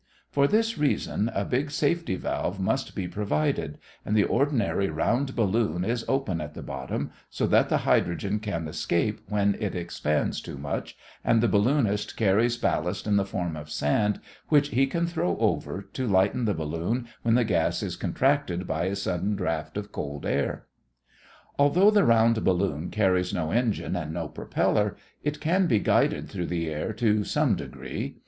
For this reason, a big safety valve must be provided and the ordinary round balloon is open at the bottom so that the hydrogen can escape when it expands too much and the balloonist carries ballast in the form of sand which he can throw over to lighten the balloon when the gas is contracted by a sudden draft of cold air. Although a round balloon carries no engine and no propeller, it can be guided through the air to some degree.